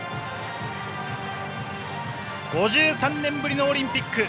５３年ぶりのオリンピック。